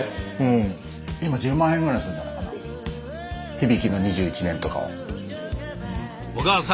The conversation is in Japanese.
響の２１年とかはうん。